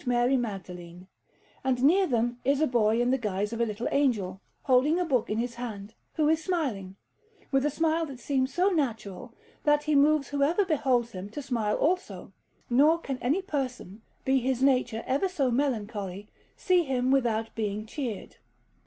Mary Magdalene; and near them is a boy in the guise of a little angel, holding a book in his hand, who is smiling, with a smile that seems so natural that he moves whoever beholds him to smile also, nor can any person, be his nature ever so melancholy, see him without being cheered.